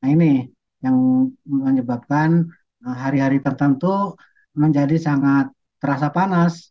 nah ini yang menyebabkan hari hari tertentu menjadi sangat terasa panas